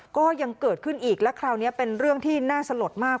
ก็ยังเกิดขึ้นอีกและคราวนี้เป็นเรื่องที่น่าสลดมาก